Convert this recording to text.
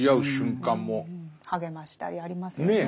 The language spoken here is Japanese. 励ましたりありますよね。